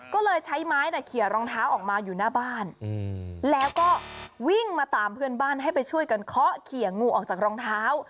ก็เลยใช้ไม้เขียรองเท้าออกมาอยู่หน้าบ้านแล้วก็วิ่งมาตามเพื่อนบ้านให้ไปช่วยกันเคาะเขี่ยงูออกจากรองเท้า